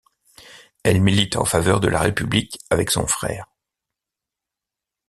Elle milite en faveur de la république avec son frère.